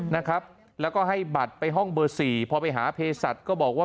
นะครับแล้วก็ให้บัตรไปห้องเบอร์สี่พอไปหาเพศัตริย์ก็บอกว่า